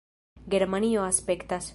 Germanio aspektas